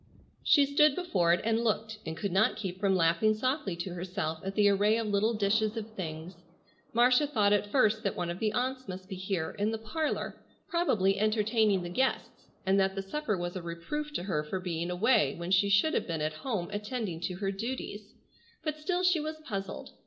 She stood before it and looked, and could not keep from laughing softly to herself at the array of little dishes of things. Marcia thought at first that one of the aunts must be here, in the parlor, probably entertaining the guests, and that the supper was a reproof to her for being away when she should have been at home attending to her duties, but still she was puzzled.